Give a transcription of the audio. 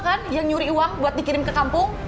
kamu kan yang nyuri uang buat dikirim ke kampung